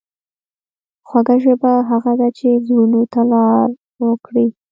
خوږه ژبه هغه ده چې زړونو ته لار وکړي.